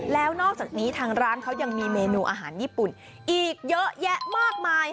แล้วนอกจากนี้ทางร้านเขายังมีเมนูอาหารญี่ปุ่นอีกเยอะแยะมากมาย